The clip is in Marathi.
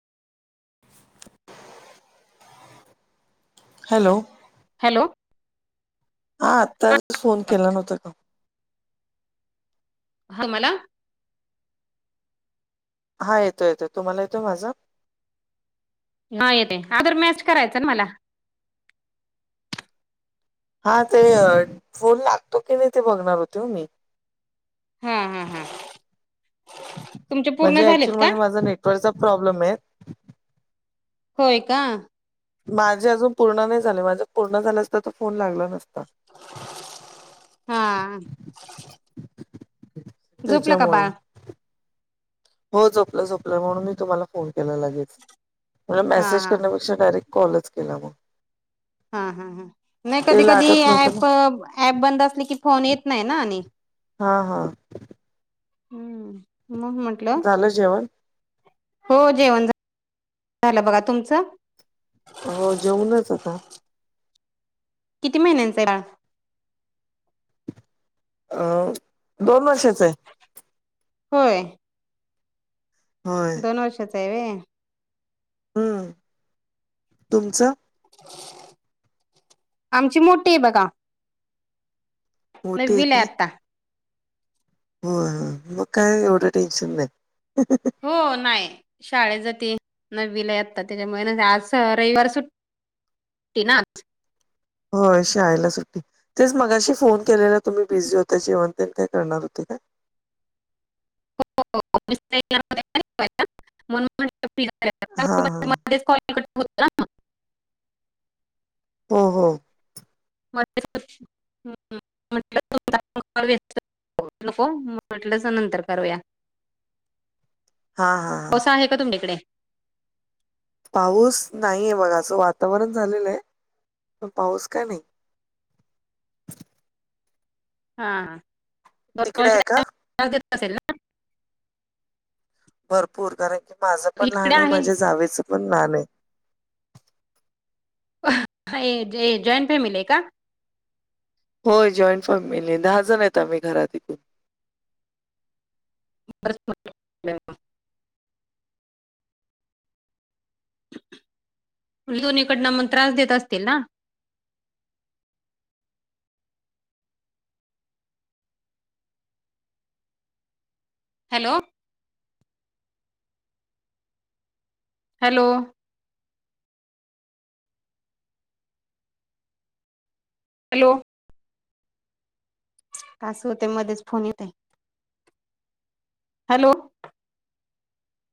हॅलो हॅलो हा आत्ताच फोन केला नव्हता का? हा मला? हा येतोय- येतोय तुम्हाला येतोय माझा हा येतय आदर -मॅच करायचं ना मला हा ते फोन लागतो की नाही ते बघणार होते हो मी हा हा हा तुमचे पूर्ण म्हणजे झालेत ऍक्चुअल का मध्ये माझा नेटवर्कचा प्रॉब्लेम आहे होय का माझे अजून पूर्ण नाही झाले माझं पूर्ण झालं असते तर फोन लागला नसता [inaudible] हा झोपलं का त्याच्यामुळे बाळ? हो झोपलं झोपलं, म्हणून मी तुम्हाला फोन केला लगेच, म्हणलं हा मेसेज हा करण्यापेक्षा डायरेक्ट कॉलच केला मग. हा हा हा, नाही कधी ते कधी लागत नव्हतं ऍप, ना ऍप बंद असले की फोन येत नाही ना आणि. हां हां हम्म, म्हणून म्हण झालं जेवण? हो जेवण झा झालं बघा. तुमचं? हो जेवउनच आता किती महिन्यांच आहे बाळ? अ दोन वर्षाचं आहे. होय. हो दोन वर्षाचा आहेे होय हम्म, तुमचं? आमची मोठी आहे बघा. मोठी येत नववीला आहे ते. आता. होय, मग काही एवढं टेन्शन नाही. हो नाही, शाळेत जाती नववीला आहे आता, त्याच्यामुळे आज रविवार सुट टी ना होय शाळेला सुट्टी तेच मगाशी फोन केलेला तुम्ही बिझी होता, जेवण तेन काही करणार होते काय? हो [unintelligible] म्हणून म्हंटल हां, [unintelligible] हां. मधेच कॉल कट होत होता. हो हो म [unintelligible] म्हटलं सु [unintelligible] [unintelligible] नको म्हटलंच नंतर करूया हा हा हा का आहे का तुमच्या इकडे? पाऊस नाहीये बघा, असं वातावरण झालेलं आहे, पण पाऊस काय नाही. हां [unintelligible] तिकडे दोनवर्ष आहे का? येत असल ना भरपूर, कारण की माझं पण लहान आहे, माझ्या जावेचं पण लहान आहे. ए जॉईंट फॅमिली आहे का? होय जॉईंट फॅमिली आहे, दहा जण आहेत. आम्ही घरात एकूण बरच [unintelligible] [unintelligible] दोन्हीकडनं म त्रास देत असतील ना? हॅलो! हॅलो! हॅलो! असं होते मध्येच फोन येते. हॅलो!